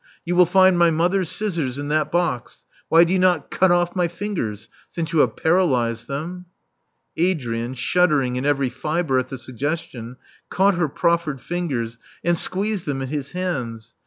You will find my mother's scissors in that box. Why do you not cut oflE my fingers, since you have paralysed them?" Adrian, shuddering in every fibre at the suggestion, caught her proffered fingers and squeezed them in his hands.